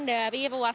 dari ruas kota